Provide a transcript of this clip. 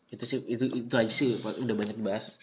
itu aja sih udah banyak dibahas